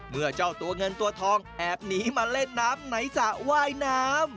เมื่อเจ้าตัวเงินตัวทองแอบหนีมาเล่นน้ำในสระว่ายน้ำ